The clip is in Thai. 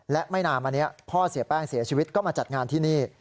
และไม่นานมานี้พ่อเสียแป้งเสียชีวิตก็มาจัดงานที่นี่